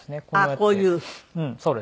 あっこういう。